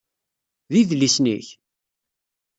D idlisen-ik?